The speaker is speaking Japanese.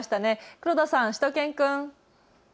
黒田さん、しゅと犬くん。